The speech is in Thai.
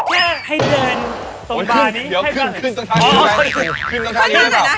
แค่ให้เดินตรงบานี้